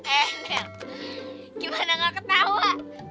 eh nel gimana gak ketawa